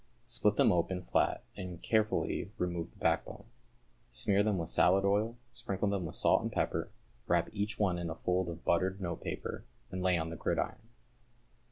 Split them open flat and carefully remove the backbone. Smear them with salad oil, sprinkle them with salt and pepper, wrap each one in a fold of buttered note paper, and lay on the gridiron.